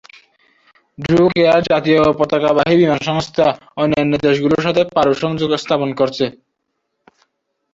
Druk air জাতীয় পতাকাবাহী বিমানসংস্থা, অন্যান্য দেশগুলোর সাথে পারো সংযোগ স্থাপন করছে।